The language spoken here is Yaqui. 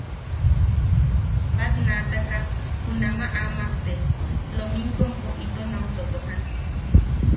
Batnaataka junama amak te lominkompo ito nau totojan.